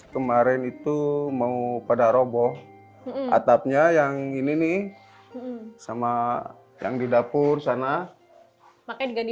kemarin itu mau pada roboh atapnya yang ini nih sama yang di dapur sana makanya diganti